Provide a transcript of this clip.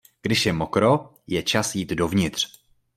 Když je mokro, je čas jít dovnitř.